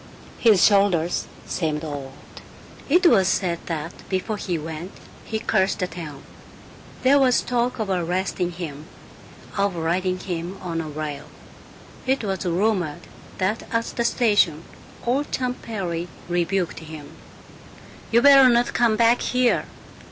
His shoulders seemed old. It was said that before he went he cursed the town. There was talk of arresting him, of riding him on a rail. It was rumored that at the station old Champ Perry rebuked him, "You better not come back here.